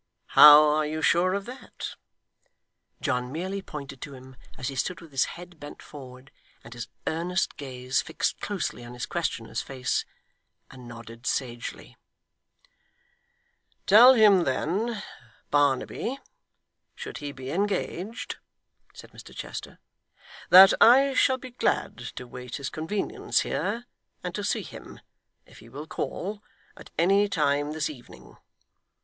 'How are you sure of that?' John merely pointed to him as he stood with his head bent forward, and his earnest gaze fixed closely on his questioner's face; and nodded sagely. 'Tell him then, Barnaby, should he be engaged,' said Mr Chester, 'that I shall be glad to wait his convenience here, and to see him (if he will call) at any time this evening.